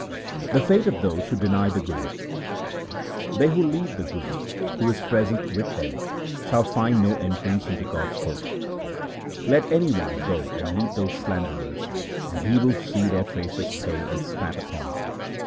The fate of those who deny the Guru :— They who leave the Guru, who is present with them, shall find no entrance into God's court. Let any one go and meet those slanderers, and he will see their faces pale and spat upon.